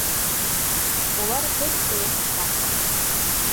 Улар һөт кеүек пак.